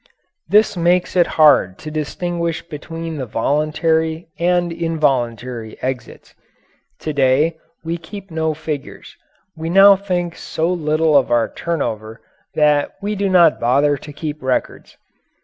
This makes it hard to distinguish between the voluntary and involuntary exits. To day we keep no figures; we now think so little of our turnover that we do not bother to keep records.